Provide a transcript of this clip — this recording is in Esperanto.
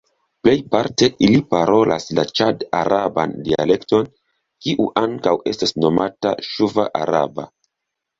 Plejparte ili parolas la ĉad-araban dialekton, kiu ankaŭ estas nomata "ŝuva-araba".